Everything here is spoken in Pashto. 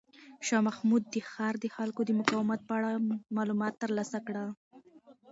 شاه محمود د ښار د خلکو د مقاومت په اړه معلومات ترلاسه کړل.